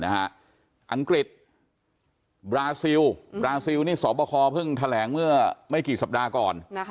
อังกฤษบราซิลบราซิลนี่สบคเพิ่งแถลงเมื่อไม่กี่สัปดาห์ก่อน